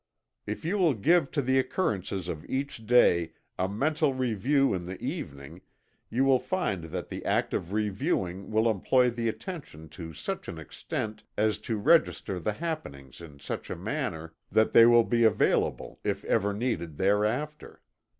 If you will give to the occurrences of each day a mental review in the evening, you will find that the act of reviewing will employ the attention to such an extent as to register the happenings in such a manner that they will be available if ever needed thereafter.